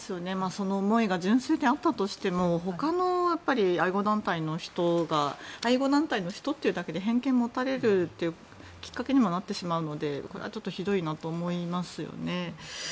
その思いが純粋であったとしてもほかの愛護団体の人が愛護団体の人というだけで偏見を持たれるきっかけにもなってしまうのでこれはちょっとひどいなと思いますよね。